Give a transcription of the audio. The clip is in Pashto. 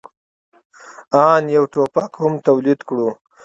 آن یو ټوپک هم تولید کړو.